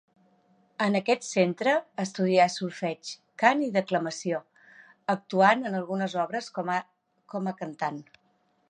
En aquest centre estudià solfeig, cant i declamació, actuant en algunes obres com a cantant.